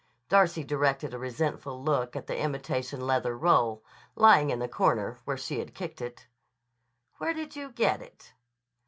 Darcy directed a resentful look at the imitation leather roll, lying in the corner where she had kicked it. "Where did you get it?"